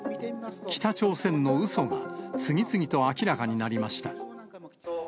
北朝鮮のうそが次々と明らかになりました。